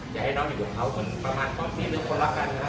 อยากให้น้องอยู่กับเขาประมาณต้องมีเรื่องคนละกันนะครับ